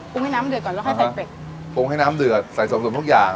ให้น้ำเดือดก่อนแล้วค่อยใส่เป็ดปรุงให้น้ำเดือดใส่สมทุกอย่าง